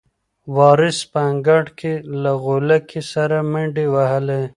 وارث په انګړ کې له غولکې سره منډې وهلې.